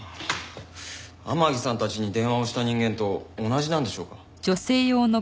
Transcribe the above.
天樹さんたちに電話をした人間と同じなんでしょうか？